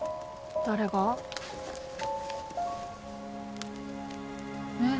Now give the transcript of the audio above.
誰が？えっ？